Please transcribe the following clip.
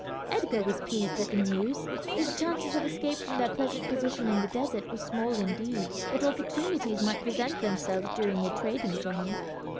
Edgar was pleased at the news. His chances of escape from their present position in the desert were small indeed, but opportunities might present themselves during a trading journey.